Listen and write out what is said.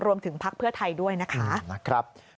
รวมถึงภาคเพื่อไทยด้วยนะคะ